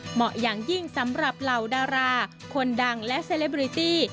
เหมาะอย่างยิ่งสำหรับเหล่าดาราคนดังและเซเลบริตี้